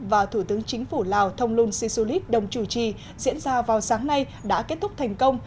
và thủ tướng chính phủ lào thông luân si su lít đồng chủ trì diễn ra vào sáng nay đã kết thúc thành công